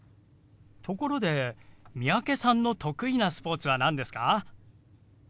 ところで三宅さんの得意なスポーツは何ですか？